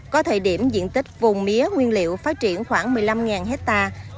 có thời điểm diện tích vùng mía nguyên liệu phát triển khoảng một mươi năm hectare